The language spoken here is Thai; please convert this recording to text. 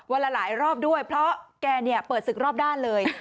ละหลายรอบด้วยเพราะแกเนี่ยเปิดศึกรอบด้านเลย